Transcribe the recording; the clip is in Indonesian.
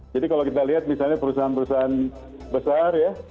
jadi kalau kita lihat misalnya perusahaan perusahaan besar ya